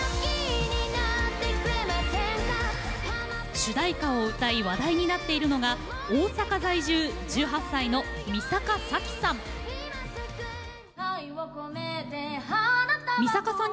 主題歌を歌い話題になっているのが大阪在住、１８歳の三阪咲さん。